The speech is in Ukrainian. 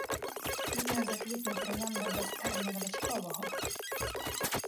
Не заквітне троянда без терня рвачкого.